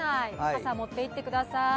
傘、持ってってください。